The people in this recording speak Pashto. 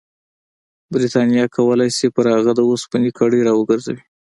برټانیه کولای شي پر هغه د اوسپنې کړۍ راوګرځوي.